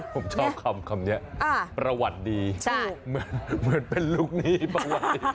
ผมชอบคำคำเนี้ยอ่าประวัติดีใช่เหมือนเป็นลูกนี้ประวัติดี